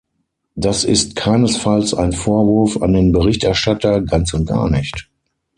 Das ist keinesfalls ein Vorwurf an den Berichterstatter, ganz und gar nicht.